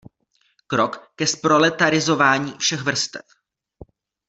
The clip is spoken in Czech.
Krok ke zproletarizování všech vrstev.